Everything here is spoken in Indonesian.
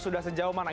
sudah sejauh mana